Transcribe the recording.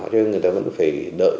cho nên người ta vẫn phải đợi